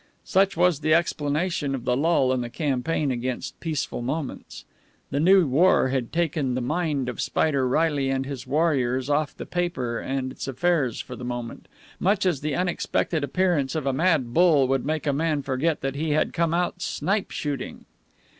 Such was the explanation of the lull in the campaign against Peaceful Moments. The new war had taken the mind of Spider Reilly and his warriors off the paper and its affairs for the moment, much as the unexpected appearance of a mad bull would make a man forget that he had come out snipe shooting.